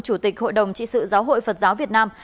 chủ tịch hội đồng trị sự giáo hội phật giáo việt nam